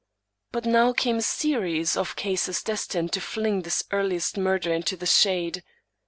But now came a series of cases des tined to fling this earliest murder into the shade.